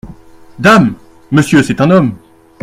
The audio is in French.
Dame ! monsieur, c’est un homme….